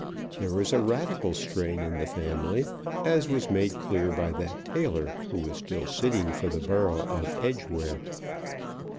There was a Radical strain in the family, as was made clear by that tailor who was still sitting for the borough of Edgeware.